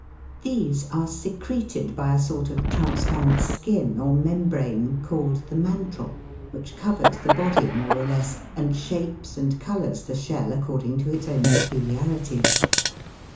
These are secreted by a sort of * Chap. IV. 126 THE WORLD'S LUMBER ROOM. transparent skin, or membrane, called the " mantle," which covers the body more or less, and shapes and colours the shell according to its own peculiarities.